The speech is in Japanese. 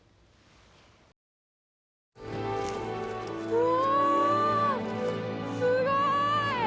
うわすごい！